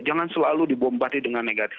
jangan selalu dibombari dengan negatif